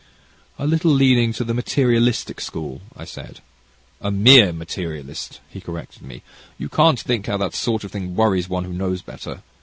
"A little leaning to the materialistic school," I said. "A mere materialist," he corrected me; "you can't think how that sort of thing worries one who knows better.